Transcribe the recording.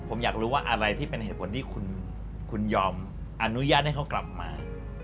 ผมอยากรู้ว่าอะไรที่เป็นเหตุผลที่คุณยอมอนุญาตให้เขากลับมา